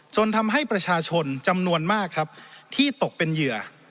ทำให้ประชาชนจำนวนมากครับที่ตกเป็นเหยื่อ